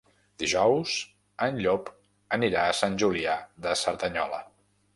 Dijous en Llop anirà a Sant Julià de Cerdanyola.